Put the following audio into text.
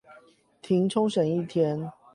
停沖繩一天